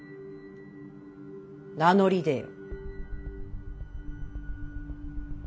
名乗り出よ。